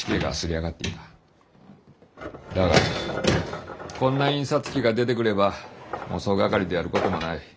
だがこんな印刷機が出てくればもう総がかりでやることもない。